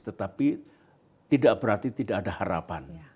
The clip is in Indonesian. tetapi tidak berarti tidak ada harapannya